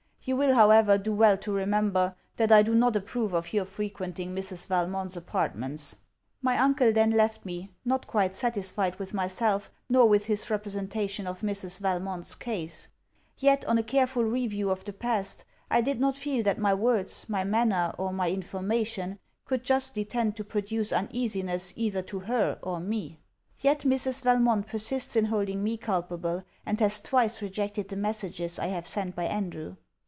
You will, however, do well to remember, that I do not approve of your frequenting Mrs. Valmont's apartments.' My uncle then left me, not quite satisfied with myself nor with his representation of Mrs. Valmont's case. Yet, on a careful review of the past, I did not feel that my words, my manner, or my information could justly tend to produce uneasiness either to her or me. Yet Mrs. Valmont persists in holding me culpable; and has twice rejected the messages I have sent by Andrew.